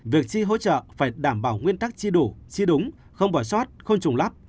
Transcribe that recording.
việc chi hỗ trợ phải đảm bảo nguyên tắc chi đủ chi đúng không bỏ sót không trùng lắp